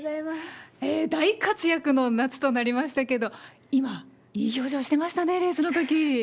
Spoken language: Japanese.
大活躍の夏となりましたけど、今、いい表情してましたね、レースのとき。